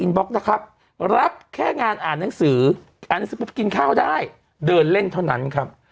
นะครับรับแค่งานอ่านหนังสือกินข้าวได้เดินเล่นเท่านั้นครับ